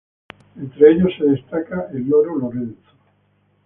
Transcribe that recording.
Entre ellos se destaca el loro Lorenzo.